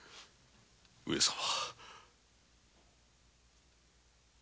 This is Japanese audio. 上様！